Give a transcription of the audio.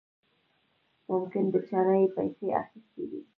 ممکن د چانه يې پيسې اخېستې وي.